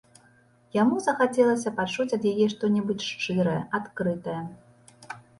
Яму захацелася пачуць ад яе што-небудзь шчырае, адкрытае.